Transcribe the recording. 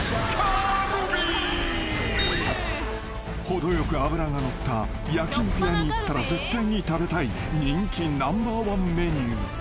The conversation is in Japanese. ［程よく脂が乗った焼き肉屋に行ったら絶対に食べたい人気ナンバーワンメニュー］